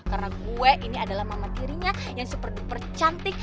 karena gue ini adalah mama tirinya yang super duper cantik